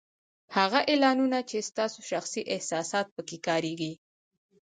هغه اعلانونه چې ستاسو شخصي احساسات په کې کارېږي